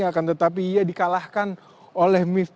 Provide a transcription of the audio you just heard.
akan tetapi ia dikalahkan oleh miftakul putri ayudi